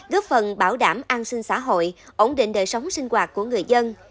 góp phần bảo đảm an sinh xã hội ổn định đời sống sinh hoạt của người dân